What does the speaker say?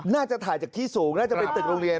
น่าจะถ่ายจากที่สูงน่าจะเป็นตึกโรงเรียน